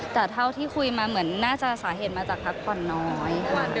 แต่เท่าที่คุยมาเหมือนน่าจะสาเหตุมาจากพักผ่อนน้อย